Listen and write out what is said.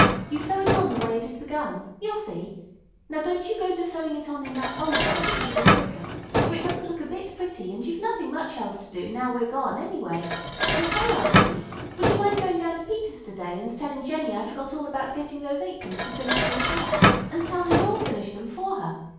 You sew it on the way it is begun. You'll see. Now don't you go to sewing it on in that old way because it is quicker; for it doesn't look a bit pretty, and you've nothing much else to do, now we're gone, anyway. And say, Aunt Crete, would you mind going down to Peters's to day, and telling Jennie I forgot all about getting those aprons to finish for the fair, and tell her you'll finish them for her?